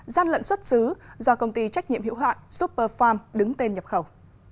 gian lận xuất xứ do công ty trách nhiệm hữu hạn superfarm đứng tên nhập khẩu